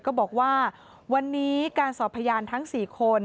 ก็บอกว่าวันนี้การสอบพยานทั้ง๔คน